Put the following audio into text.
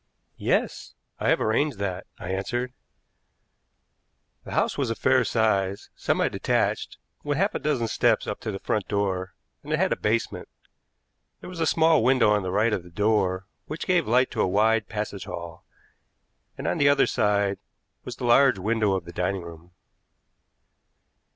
"Yes; I have arranged that," I answered. The house was a fair size, semi detached, with half a dozen steps up to the front door, and it had a basement. There was a small window on the right of the door which gave light to a wide passage hall, and on the other side was the large window of the dining room.